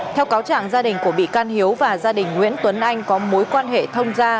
theo cáo trạng gia đình của bị can hiếu và gia đình nguyễn tuấn anh có mối quan hệ thông gia